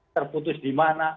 terputus di mana